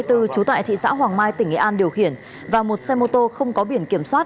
trú tại thị xã hoàng mai tỉnh nghệ an điều khiển và một xe mô tô không có biển kiểm soát